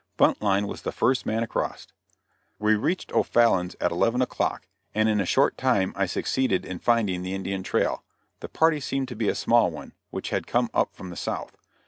Buntline was the first man across. We reached O'Fallon's at eleven o'clock, and in a short time I succeeded in finding the Indian trail; the party seemed to be a small one, which had come up from the south.